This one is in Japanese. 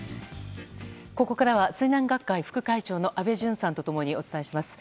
ここからは水難学会副会長の安倍淳さんと共にお伝えします。